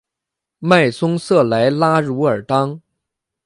迈松瑟莱拉茹尔当。